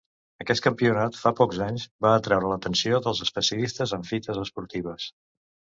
Aquest campionat, fa pocs anys, va atraure l’atenció dels especialistes en fites esportives.